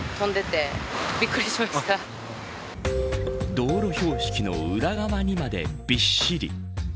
道路標識の裏側にまでびっしり。